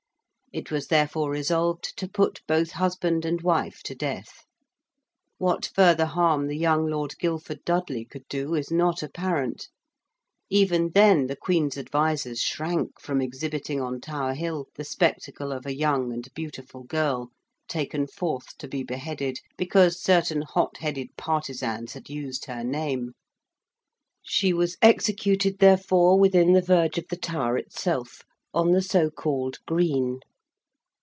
It was therefore resolved to put both husband and wife to death. What further harm the young Lord Guilford Dudley could do is not apparent. Even then the Queen's advisers shrank from exhibiting on Tower Hill the spectacle of a young and beautiful girl, taken forth to be beheaded because certain hot headed partizans had used her name. She was executed therefore within the verge of the Tower itself, on the so called 'Green.'